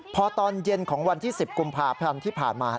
พอตอนเย็นของวันที่๑๐กุมภาพันธ์ที่ผ่านมา